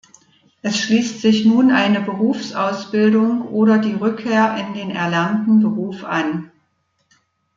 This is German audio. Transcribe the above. Es schließt sich nun eine Berufsausbildung oder die Rückkehr in den erlernten Beruf an.